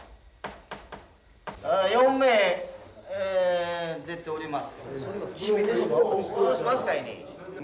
４名出ております。